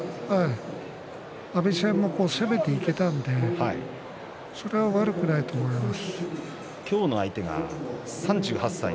阿炎戦も攻めていけたのでそれは悪くないと思います。